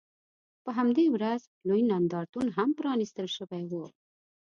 په همدې ورځ لوی نندارتون هم پرانیستل شوی و.